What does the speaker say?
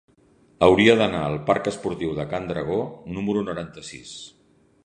Hauria d'anar al parc Esportiu de Can Dragó número noranta-sis.